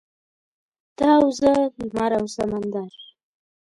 ته او زه لمر او سمندر.